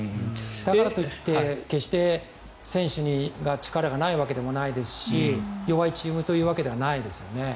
かといって、決して選手が力がないわけでもないですし弱いチームというわけではないですね。